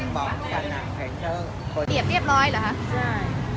บอกแสดงแห่งต้อง